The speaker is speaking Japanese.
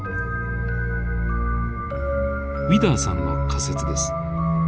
ウィダーさんの仮説です。